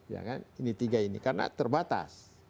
ya kan ini tiga ini karena terbatas